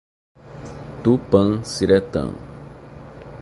Tupanciretã